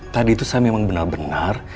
tadi itu saya memang benar benar